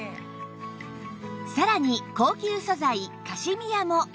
さらに高級素材カシミアも